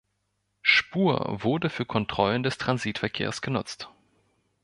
Spur wurde für Kontrollen des Transitverkehrs genutzt.